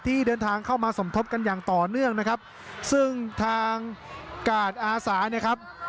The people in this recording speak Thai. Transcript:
ที่เดินทางเข้ามาสมทบกันอย่างต่อเนื่องนะครับซึ่งทางกาดอาสาเนี่ยครับ